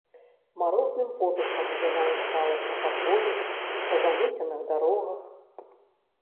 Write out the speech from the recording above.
Марозным подыхам яна імчалася па полі, па замеценых дарогах.